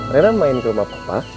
rera main ke rumah papa